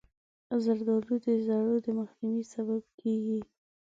زردالو د زړو د مخنیوي سبب کېږي.